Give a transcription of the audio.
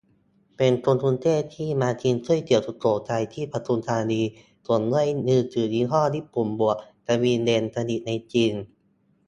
เป็นคนกรุงเทพ ที่มากินก๋วยเตี๋ยวสุโขทัย ที่ปทุมธานี ส่งด้วยมือถือยี่ห้อญี่ปุ่นบวกสวีเดน ผลิตในจีน